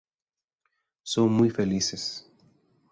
Son muy felices.